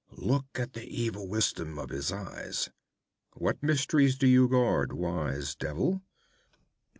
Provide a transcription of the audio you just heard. Look at the evil wisdom of his eyes. What mysteries do you guard, Wise Devil?'